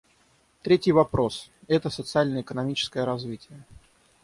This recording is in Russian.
Третий вопрос — это социально-экономическое развитие.